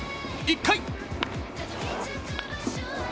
１回。